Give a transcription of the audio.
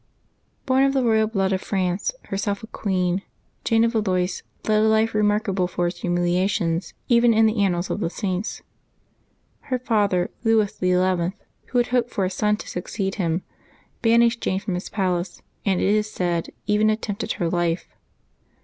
©ORN of the blood royal of France, herself a queen, Jane of Valois led a life remarkable for its humilia tions even in the annals of the Saints. Her father, Louis XI., who had hoped for a son to succeed him, banished Jane from his palace, and, it is said, even attempted her life.